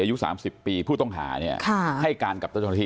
อายุ๓๐ปีผู้ต้องหาเนี่ยให้การกับต้นทธิ